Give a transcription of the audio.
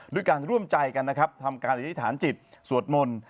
ด้วยการร่วมใจกันนะครับทำการอธิษฐานจิตสวดมนต์